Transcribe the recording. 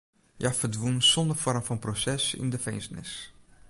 Hja ferdwûn sonder foarm fan proses yn de finzenis.